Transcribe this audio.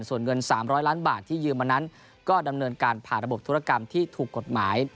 ส่วนเงิน๓๐๐ล้านบาทที่ยืมมานั้นก็ดำเนินการผ่านระบบธุรกรรมที่ถูกกฎหมาย